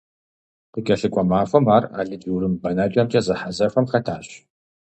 КъыкӀэлъыкӀуэ махуэм ар алыдж-урым бэнэкӀэмкӀэ зэхьэзэхуэм хэтащ.